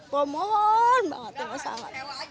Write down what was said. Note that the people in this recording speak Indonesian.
pemohon banget ya masalah